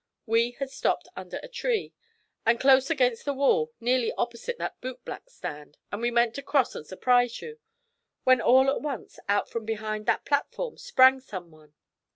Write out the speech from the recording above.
We had stopped under a tree, and close against the wall nearly opposite that bootblack's stand; and we meant to cross and surprise you, when all at once out from behind that platform sprang someone.